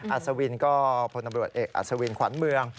อัศวินก็พลตำรวจเอกอัศวินขวัญเมือง